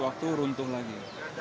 waktu runtuh lagi